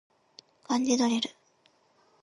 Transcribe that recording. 漢字ドリル